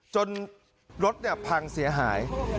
จนรถเนี่ยพังเสียหาย